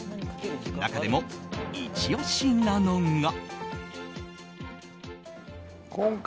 中でもイチ押しなのが。